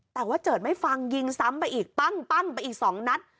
แต่ว่าเจิดไม่ฟังยิงซ้ำไปอีกปั้งไปอีก๒นัด